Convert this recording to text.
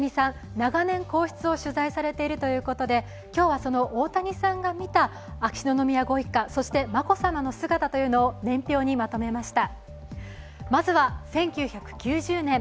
長年、皇室を取材されているということで、今日はその大谷さんが見た秋篠宮ご一家、そして眞子さまの姿を年表にまとめました。